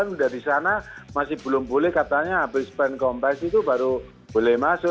udah di sana masih belum boleh katanya habis pen kompres itu baru boleh masuk